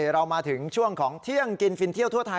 เรามาถึงช่วงของเที่ยงกินฟินเที่ยวทั่วไทย